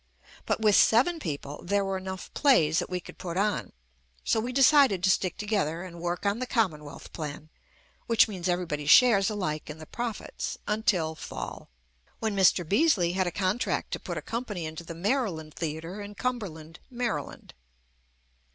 But with seven people, there were enough plays that we could put on, so we de cided to stick together and work on the com monwealth plan (which means everybody shares alike in the profits) until fall, when Mr, JUST ME Beasley had a contract to put a company into the Maryland Theatre in Cumberland, Mary land.